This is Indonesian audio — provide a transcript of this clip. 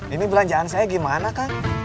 ini belanjaan saya gimana kang